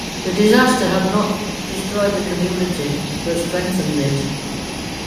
The disaster had not destroyed the community but strengthened it.